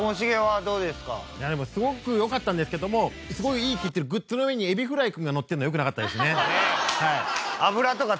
すごく良かったんですけどもすごいいいって言ってるグッズの上にエビフライ君が乗ってるのはよくなかったですね。